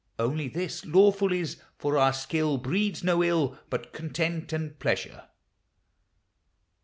Only this Lawful is; For our skill Breeds no ill, But content and pleasure.